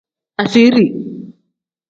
Asiiri.